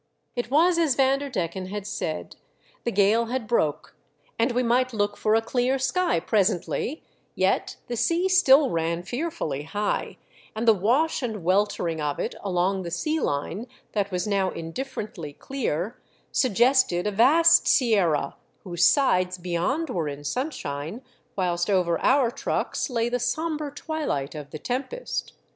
It was as Vanderdecken had said. The gale had broke and we might look for a clear sky presendy, yet the sea still ran fearfully high, and the wash and weltering of it along the sea line, that was now indifferendy clear, sug gested a vast sierra whose sides beyond were in sunshine, whilst over our trucks lay the sombre twilight of the tempest.